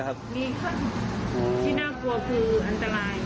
มีค่ะที่น่ากลัวคืออันตราย